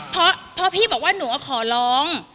เพราะพี่บอกว่าหนูขอร้อง